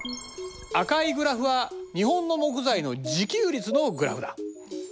赤いグラフは日本の木材の自給率のグラフだ。